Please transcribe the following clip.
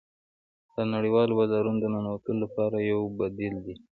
دا د نړیوالو بازارونو د ننوتلو لپاره یو بدیل دی